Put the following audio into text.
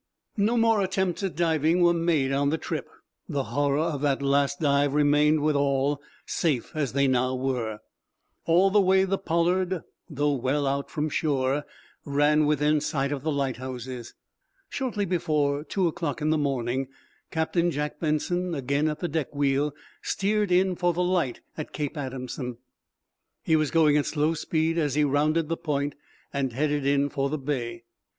No more attempts at diving were made on the trip. The horror of that last dive remained with all, safe as they now were. All the way the "Pollard," though well out from shore, ran within sight of the light houses. Shortly before two o'clock in the morning Captain Jack Benson, again at the deck wheel, steered in for the light at Cape Adamson. He was going at slow speed as he rounded the point and headed in for the bay.